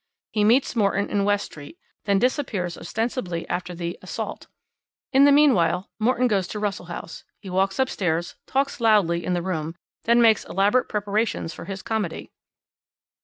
He meets Morton in West Street, then disappears ostensibly after the 'assault.' In the meanwhile Morton goes to Russell House. He walks upstairs, talks loudly in the room, then makes elaborate preparations for his comedy."